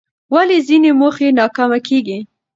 ولې ځینې موخې ناکامه کېږي؟